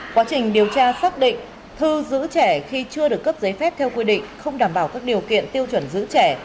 quá trình điều tra xác định thư giữ trẻ khi chưa được cấp giấy phép theo quy định không đảm bảo các điều kiện tiêu chuẩn giữ trẻ